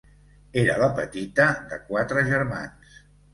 Era la petita de quatre germans.